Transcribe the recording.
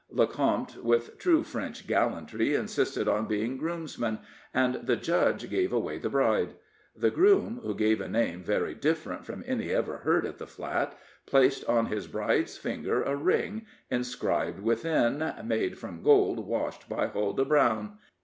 Lecomte, with true French gallantry, insisted on being groomsman, and the judge gave away the bride. The groom, who gave a name very different from any ever heard at the Flat, placed on his bride's finger a ring, inscribed within, "Made from gold washed by Huldah Brown."